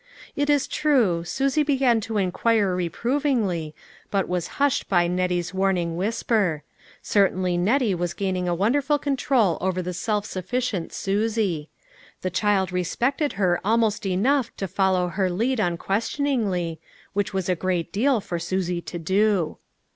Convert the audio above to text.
It is true, Susie began to inquire reprovingly, but was hushed by Nettie's warning whisper ; certainly Nettie was gaining a wonderful control over the self suffi cient Susie. The child respected her almost enough to follow her lead unquestioningly, which was a great deal for Susie to do.